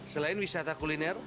selain wisata kuliner